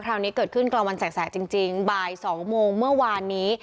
คราวนี้เกิดขึ้นกลางวันแสกจริงบ่าย๒โมงเมื่อวานนี้